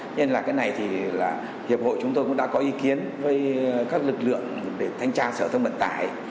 nên là cái này thì là hiệp hội chúng tôi cũng đã có ý kiến với các lực lượng để thanh tra sở thông vận tải